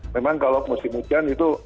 memang kalau musim hujan itu